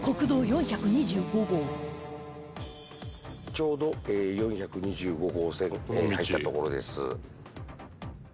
ちょうど４２５号線入ったところです。